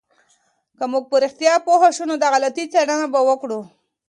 که موږ په رښتیا پوه شو، نو د غلطي څارنه به وکړو.